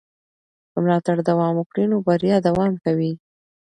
که ملاتړ دوام وکړي نو بریا دوام کوي.